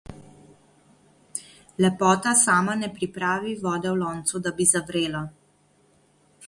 Lepota sama ne pripravi vode v loncu, da bi zavrela.